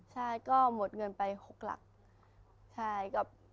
หมดเงินไป๖หลัก